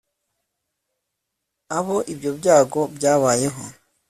abo ibyo byago byabayeho